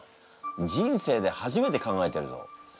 人生で初めて考えてるぞ。